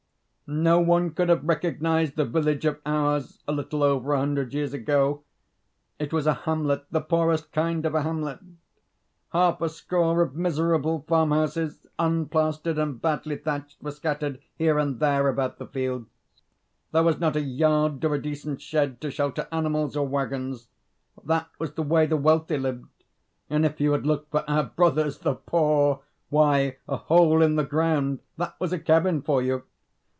No one could have recognised the village of ours a little over a hundred years ago; it was a hamlet, the poorest kind of a hamlet. Half a score of miserable farmhouses, unplastered and badly thatched, were scattered here and there about the fields. There was not a yard or a decent shed to shelter animals or waggons. That was the way the wealthy lived: and if you had looked for our brothers, the poor why, a hole in the ground that was a cabin for you!